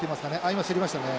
今競りましたね。